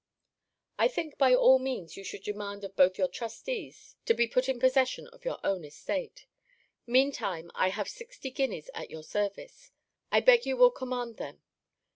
I think, by all means, you should demand of both your trustees to be put in possession of your own estate. Mean time I have sixty guineas at your service. I beg you will command them.